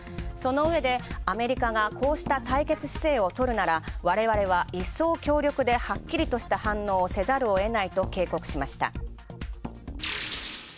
そのうえでアメリカが、こうした対決姿勢を取るなら、われわれはいっそう強力ではっきりとした対応をせざるを得ないと警告しました。